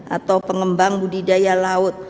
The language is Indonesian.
atau pengembang budidaya laut